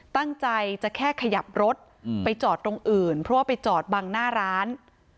ตั้งใจจะแค่ขยับรถไปจอดตรงอื่นเพราะว่าไปจอดบังหน้าร้าน